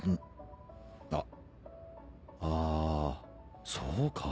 あっああそうか。